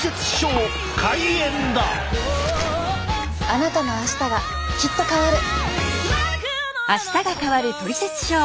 あなたの明日がきっと変わる。